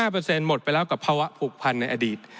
๕เปอร์เซ็นต์หมดไปแล้วกับภาวะผูกพันธ์ในอดีต